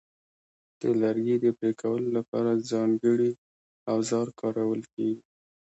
د لرګي د پرې کولو لپاره ځانګړي اوزار کارول کېږي.